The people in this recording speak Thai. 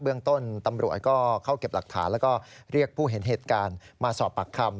เรื่องต้นตำรวจก็เข้าเก็บหลักฐานแล้วก็เรียกผู้เห็นเหตุการณ์มาสอบปากคำ